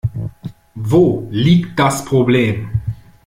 Wo liegt das Problem?